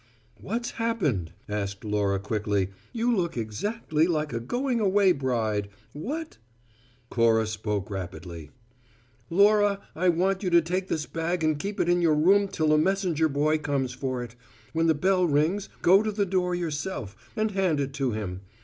"What's happened?" asked Laura quickly. "You look exactly like a going away bride. What " Cora spoke rapidly: "Laura, I want you to take this bag and keep it in your room till a messenger boy comes for it. When the bell rings, go to the door yourself, and hand it to him.